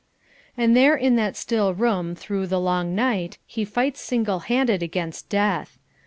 And there in that still room through the long night, he fights single handed against Death.